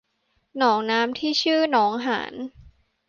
หนองน้ำที่ชื่อหนองหาน